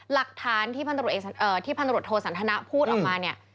หลักฐานที่พันธุรกิจโสนธนาพูดออกมานี่